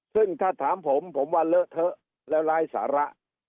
ซึ่งถ้าถามผมผมว่าเลอะเทอะแล้วร้ายสาระ